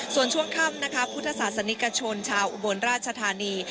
ส่วนช่วงค่ำนะคะพุทธศาสนิกชนชาวอุบลราชธานี